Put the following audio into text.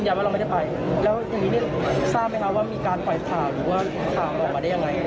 อาจจะให้ดูความฟิตแต่ร่างกายก็อย่างปกติ